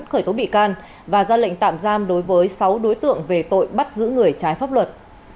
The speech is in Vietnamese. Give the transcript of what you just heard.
khởi tố bị can và ra lệnh tạm giam đối với sáu đối tượng về tội bắt giữ người trái pháp luật